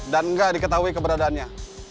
dan gak diketahui keberadaannya